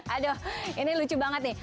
aduh ini lucu banget nih